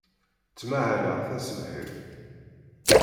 Ttmahaleɣ taṣebḥit.